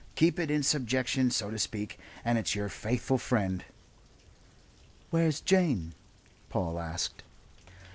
"Keep it in subjection, so to speak, and it's yer faithful friend." "Where's Jane?" Paul asked.